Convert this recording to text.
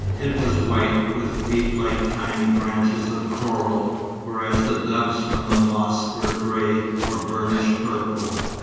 It was white, with feet like tiny branches of coral, whereas the doves from the mosque were grey, or burnished purple.